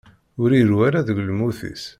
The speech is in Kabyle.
Ur iru ara deg lmut-is.